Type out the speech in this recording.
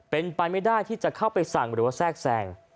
เป็นไปไม่ได้ที่จะเข้าไปสั่งหรือว่าแทรกแทรง